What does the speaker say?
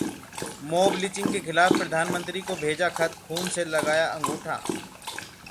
mob lynching के खिलाफ प्रधानमंत्री को भेजा खत, खून से लगाया अंगूठा